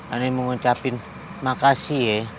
ani mau ngucapin makasih ya